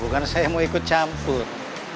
bukan saya mau ikut campur